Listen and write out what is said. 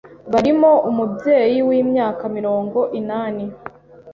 barimo umubyeyi w’imyaka mirongo inani